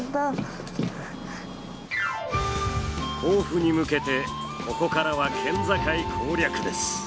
甲府に向けてここからは県境攻略です。